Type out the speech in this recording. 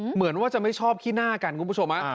เหมือนว่าจะไม่ชอบขี้หน้ากันคุณผู้ชม